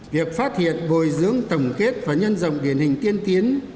việc phát hiện bồi dưỡng tổng kết và nhân dòng điển hình tiên tiên